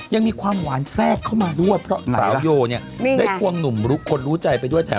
ยังมีความหวานแซ่บเข้ามาด้วยเพราะสาวโยเนี่ยได้ควงหนุ่มคนรู้ใจไปด้วยแถม